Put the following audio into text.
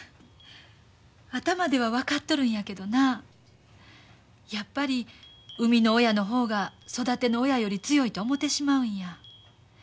頭では分かっとるんやけどなやっぱり生みの親の方が育ての親より強いと思てしまうんや。